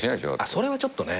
それはちょっとね。